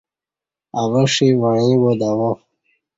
اوہ ݜی وعیں با دوا